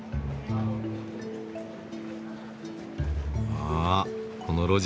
あこの路地。